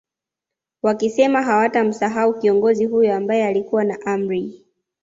Wakisema hawatamsahau kiongozi huyo ambae alikuwa na Amri